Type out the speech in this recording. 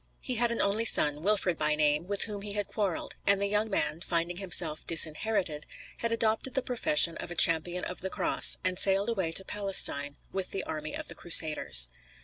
He had an only son, Wilfred by name, with whom he had quarrelled; and the young man, finding himself disinherited, had adopted the profession of a champion of the Cross, and sailed away to Palestine with the army of the Crusaders.